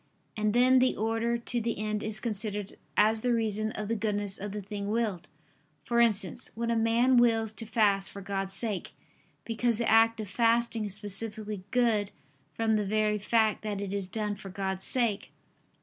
And then the order to the end is considered as the reason of the goodness of the thing willed: for instance, when a man wills to fast for God's sake; because the act of fasting is specifically good from the very fact that it is done for God's sake.